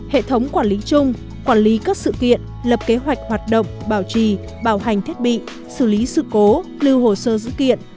hệ thống quản lý chung quản lý các sự kiện lập kế hoạch hoạt động bảo trì bảo hành thiết bị xử lý sự cố lưu hồ sơ dự kiện